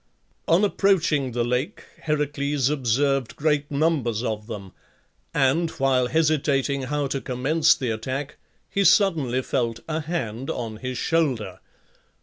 On approaching the lake, Heracles observed great numbers of them; and, while hesitating how to commence the attack, he suddenly felt a hand on his shoulder.